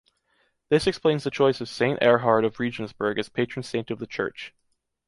This explains the choice of St. Erhard of Regensburg as patron saint of the church.